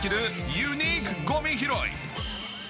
ユニークごみ拾い。